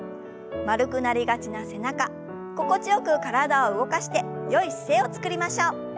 丸くなりがちな背中心地よく体を動かしてよい姿勢をつくりましょう。